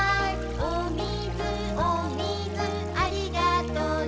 「おみずおみずありがとね」